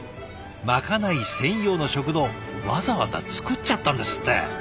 まかない専用の食堂わざわざ作っちゃったんですって。